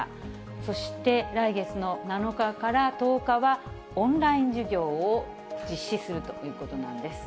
そして、らいげつの７日から１０日はオンライン授業を実施するということなんです。